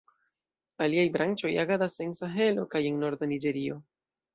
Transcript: Aliaj branĉoj agadas en Sahelo kaj en norda Niĝerio.